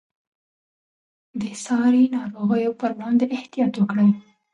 د ساري ناروغیو پر وړاندې احتیاط وکړئ.